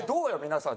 皆さん。